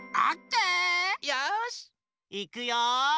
よしいくよ。